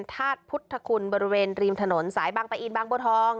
ธาตุพุทธคุณบริเวณริมถนนสายบางปะอินบางบัวทอง